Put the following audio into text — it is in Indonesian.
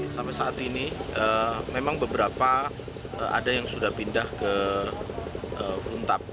sampai saat ini memang beberapa ada yang sudah pindah ke runtap